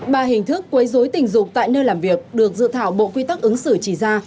ba hình thức quấy dối tình dục tại nơi làm việc được dự thảo bộ quy tắc ứng xử chỉ ra